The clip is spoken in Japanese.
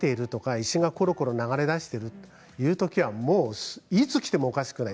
石が流れ出しているというときはいつきてもおかしくない。